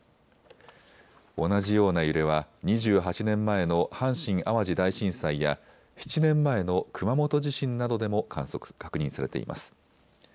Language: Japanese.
同じような揺れは２８年前の阪神・淡路大震災や７年前の熊本地震などでも確認されています。